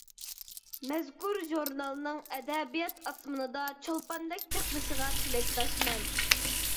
مەزكۇر ژۇرنالنىڭ ئەدەبىيات ئاسمىنىدا چولپاندەك چاقنىشىغا تىلەكداشمەن.